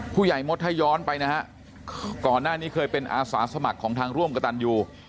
ผู้ใหญ่มดให้ย้อนไปนะฮะก่อนหน้านี้เคยเป็นอาสาสมัครของทางร่วมกระตันอยู่